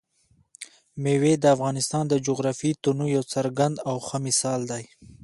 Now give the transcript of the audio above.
مېوې د افغانستان د جغرافیوي تنوع یو څرګند او ښه مثال دی.